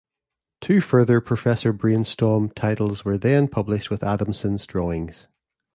Two further Professor Branestawm titles were then published with Adamson's drawings.